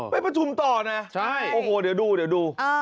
ไปประชุมต่อนะโอ้โหเดี๋ยวดู